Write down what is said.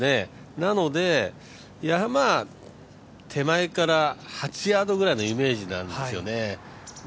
なので、山、手前から８ヤードぐらいのイメージなんですね。